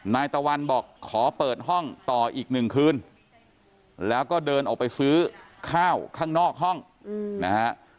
นายตะวันบอกขอเปิดห้องต่ออีกหนึ่งคืนแล้วก็เดินออกไปซื้อข้าวข้างนอกห้องนะฮะ